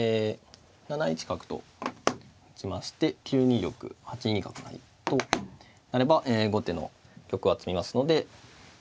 ７一角と打ちまして９二玉８二角成となれば後手の玉は詰みますので。